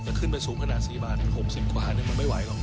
ขึ้นไปสูงขนาด๔บาท๖๐กว่ามันไม่ไหวหรอก